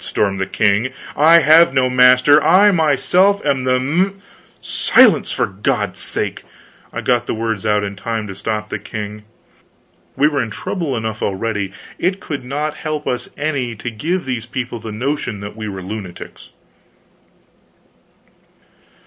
stormed the king. "I have no master, I myself am the m " "Silence, for God's sake!" I got the words out in time to stop the king. We were in trouble enough already; it could not help us any to give these people the notion that we were lunatics.